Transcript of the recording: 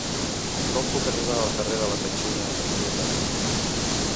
Com puc arribar al carrer de la Petxina número nou?